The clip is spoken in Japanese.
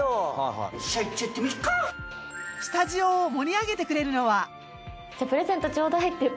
スタジオを盛り上げてくれるのは。